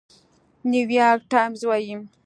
نيويارک ټايمز وايي،